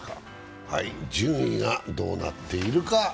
順位がどうなっているか。